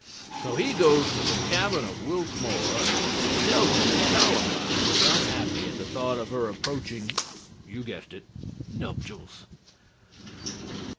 So he goes to the cabin of Wils Moore and tells him that Columbine is unhappy at the thought of her approaching you guessed it nuptials.